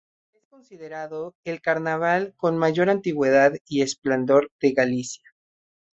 Es considerado el Carnaval con mayor antigüedad y esplendor de Galicia.